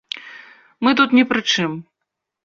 Мы тут ні пры чым.